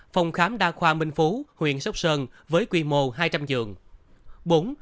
phòng khám đa khoa minh phú huyện sóc sơn với quy mô hai trăm linh giường